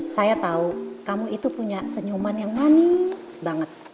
saya tahu kamu itu punya senyuman yang manis banget